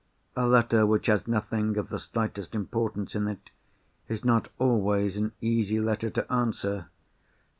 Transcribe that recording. A letter which has nothing of the slightest importance in it, is not always an easy letter to answer.